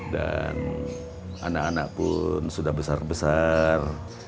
dan anak anak pun sudah besar besar